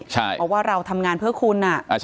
เพราะว่าเราทำงานเพื่อคุณ